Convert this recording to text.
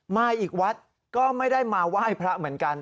มาอีกวัดก็ไม่ได้มาไหว้พระเหมือนกัน